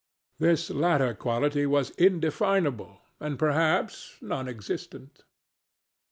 This latter quality is indefinable, and perhaps non existent.